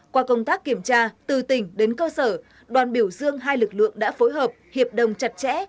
qua công tác kiểm tra từ tỉnh đến cơ sở đoàn biểu dương hai lực lượng đã phối hợp hiệp đồng chặt chẽ